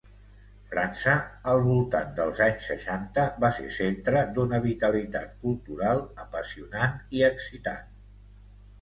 França, al voltant dels anys seixanta, va ser centre d'una vitalitat cultural apassionant i excitant.